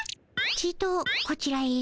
ちとこちらへ。